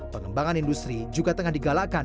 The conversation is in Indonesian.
pengembangan industri juga tengah digalakan